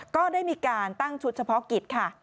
ก็ได้มีการตั้งชุดเฉพาะกิจค่ะ